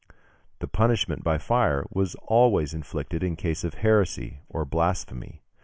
The punishment by fire was always inflicted in cases of heresy, or blasphemy.